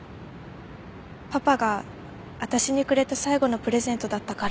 パパが私にくれた最後のプレゼントだったから。